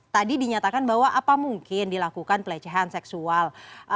tadi dinyatakan bahwa apa mungkin dilakukan pelecehan seksual